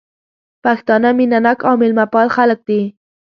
پښتانه مينه ناک او ميلمه پال خلک دي